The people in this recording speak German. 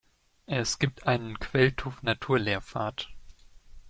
Es gibt einen Quelltuff-Naturlehrpfad.